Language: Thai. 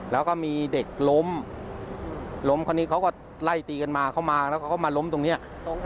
แล้วก็มีเด็กล้มล้มคนนี้เขาก็ไล่ตีกันมาเขามาแล้วเขาก็มาล้มตรงนี้